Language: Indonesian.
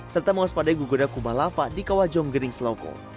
serta mewaspadai guguran kubah lava di kawajong gering seloko